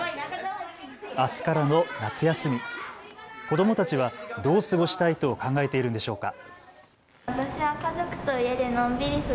あすからの夏休み、子どもたちはどう過ごしたいと考えているんでしょうか。